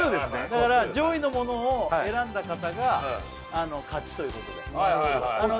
だから上位のものを選んだ方があの勝ちということではい